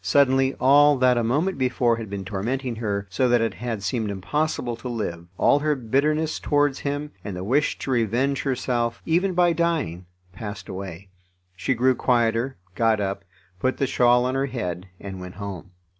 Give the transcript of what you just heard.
Suddenly all that a moment before had been tormenting her, so that it had seemed impossible to live, all her bitterness towards him, and the wish to revenge herself, even by dying, passed away; she grew quieter, got up, put the shawl on her head, and went home.